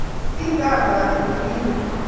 kingabwat ole kinye